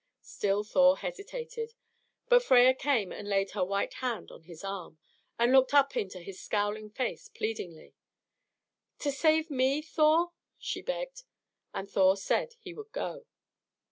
Still Thor hesitated; but Freia came and laid her white hand on his arm, and looked up into his scowling face pleadingly. "To save me, Thor," she begged. And Thor said he would go.